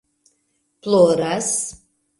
ploras